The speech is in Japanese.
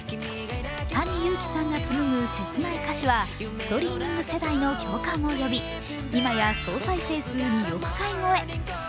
ＴａｎｉＹｕｕｋｉさんがつむぐ切ない歌詞はストリーミング世代の共感を呼び今や総再生数２億回超え。